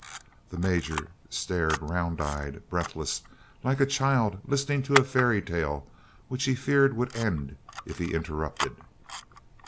The Major stared round eyed, breathless, like a child listening to a fairy tale which he feared would end if he interrupted.